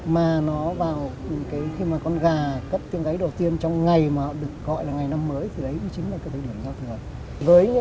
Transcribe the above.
mà nó vào khi mà con gà cất tiếng gấy đầu tiên trong ngày mà họ được gọi là ngày năm mới thì đấy chính là cái thời điểm giao thừa